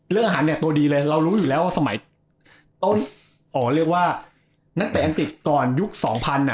อาหารเนี่ยตัวดีเลยเรารู้อยู่แล้วว่าสมัยต้นอ๋อเรียกว่านักเตะอังกฤษก่อนยุคสองพันอ่ะ